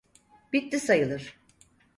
Bitti sayılır.